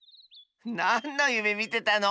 なんのゆめみてたの？